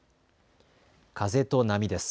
風と波です。